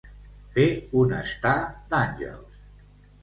Fer un estar d'àngels.